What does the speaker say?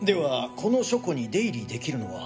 この書庫に出入りできるのは？